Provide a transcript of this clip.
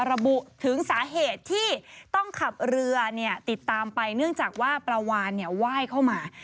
ระบุถึงสาเหตุที่ต้องขับเรือติดตามไปเนื่องจากว่าปลาวานไหว้เข้ามา